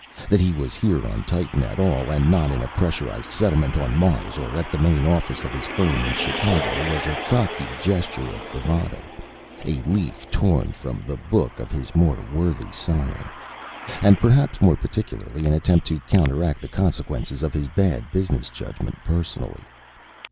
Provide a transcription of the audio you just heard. That he was here on Titan at all, and not in a pressurized settlement on Mars, or at the main office of his firm in Chicago, was a cocky gesture of bravado, a leaf torn from the book of his more worthy sire, and perhaps more particularly an attempt to counteract the consequences of his bad business judgment, personally.